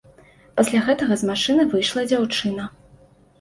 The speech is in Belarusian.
Пасля гэтага з машыны выйшла дзяўчына.